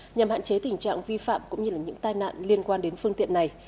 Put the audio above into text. nhằm hạn chế tình trạng vi phạm cũng như là những tai nạn liên quan đến phương tiện này